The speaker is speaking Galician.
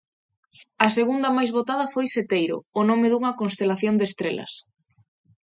A segunda máis votada foi seteiro, o nome dunha constelación de estrelas.